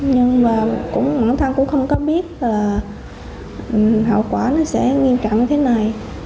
nhưng mà cũng bản thân cũng không có biết là hậu quả nó sẽ nghiêm trọng như thế này